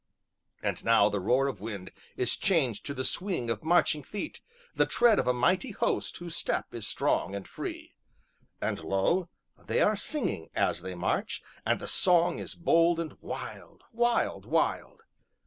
And now the roar of wind is changed to the swing of marching feet, the tread of a mighty host whose step is strong and free; and lo! they are singing, as they march, and the song is bold and wild, wild, wild.